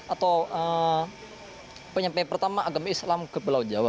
atau penyampaian pertama agama islam ke pulau jawa